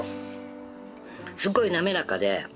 すごい滑らかで。